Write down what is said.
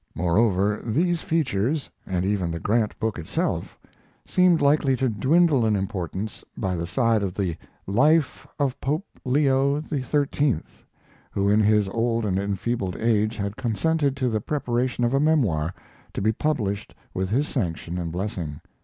Moreover, these features, and even the Grant book itself, seemed likely to dwindle in importance by the side of The Life of Pope Leo XIII., who in his old and enfeebled age had consented to the preparation of a memoir, to be published with his sanction and blessing.